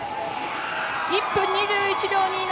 １分２１秒２７。